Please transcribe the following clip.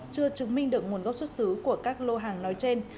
chưa chứng minh được nguồn gốc xuất xứ của các lô hàng nói trên